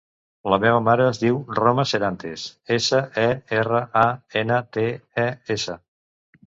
La meva mare es diu Roma Serantes: essa, e, erra, a, ena, te, e, essa.